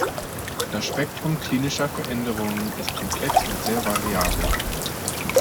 Das Spektrum klinischer Veränderungen ist komplex und sehr variabel.